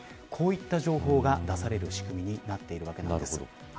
こういった情報が出される仕組みになっています。